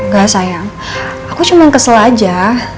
gak sayang aku cuma kesel aja